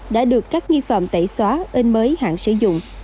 đã được các nghi phạm tẩy xóa tên mới hạn sử dụng